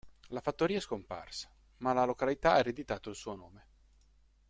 La fattoria è scomparsa, ma la località ha ereditato il suo nome.